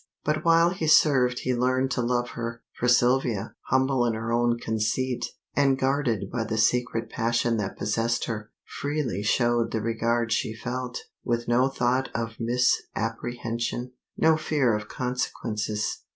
But while he served he learned to love her, for Sylvia, humble in her own conceit, and guarded by the secret passion that possessed her, freely showed the regard she felt, with no thought of misapprehension, no fear of consequences.